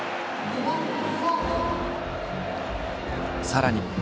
さらに。